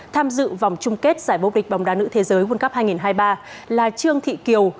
tham dự vòng chung kết giải bốp địch bóng đá nữ thế giới quân cấp hai nghìn hai mươi ba là trương thị kiều